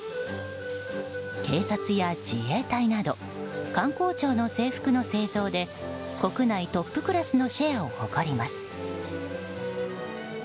警察や自衛隊など官公庁の制服の製造で国内トップクラスのシェアを誇ります。